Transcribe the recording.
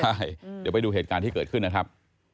ใช่เดี๋ยวไปดูเหตุการณ์ที่เกิดขึ้นนะครับ